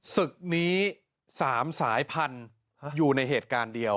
ศึกนี้๓สายพันธุ์อยู่ในเหตุการณ์เดียว